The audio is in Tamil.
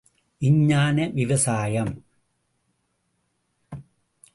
விஞ்ஞான விவசாயம் ….